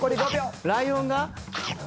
ライオンが。